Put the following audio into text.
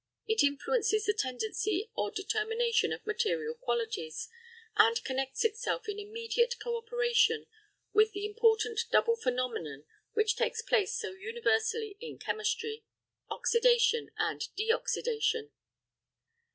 It influences the tendency or determination of material qualities, and connects itself in immediate co operation with the important double phenomenon which takes place so universally in chemistry, oxydation, and de oxydation.